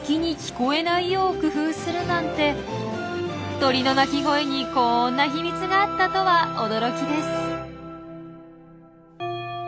鳥の鳴き声にこんな秘密があったとは驚きです。